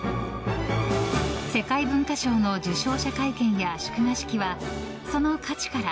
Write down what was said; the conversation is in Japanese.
世界文化賞の受賞者会見や祝賀式は、その価値から